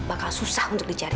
bakal susah untuk dicari